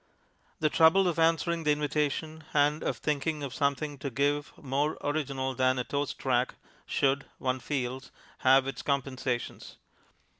The trouble of answering the invitation and of thinking of something to give more original than a toast rack should, one feels, have its compensations.